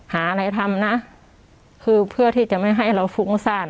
หาอะไรทำนะคือเพื่อที่จะไม่ให้เราฟุ้งซ่าน